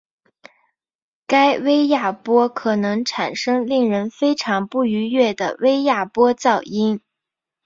该微压波可能产生令人非常不愉悦的微压波噪音。